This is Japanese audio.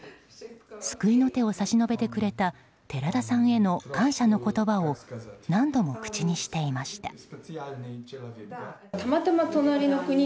救いの手を差し伸べてくれた寺田さんへの感謝の言葉を何度も口にしていました。